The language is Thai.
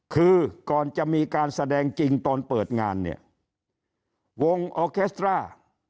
คือก่อนจะมีการแสดงจริงตอนเปิดงานเนี่ยวงออเคสตรา